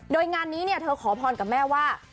โดยงานนี้เธอขอพรกับแม่ว่า